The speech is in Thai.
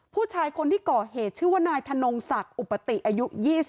ผู้ชายคนที่ก่อเหตุชื่อว่านายธนงศักดิ์อุปติอายุ๒๐